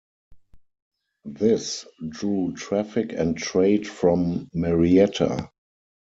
This drew traffic and trade from Marietta.